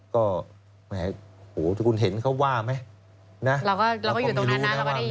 ก็แหมโหคุณเห็นเขาว่าไหมนะเราก็เราก็อยู่ตรงนั้นนะครับอาทิตย์